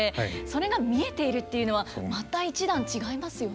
それが見えているっていうのはまた一段違いますよね。